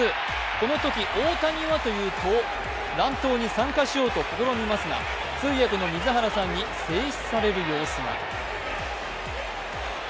このとき、大谷はというと、乱闘に参加しようと試みますが通訳の水原さんに制止される様子が。